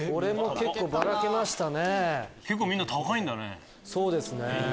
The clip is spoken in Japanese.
結構みんな高いんだね。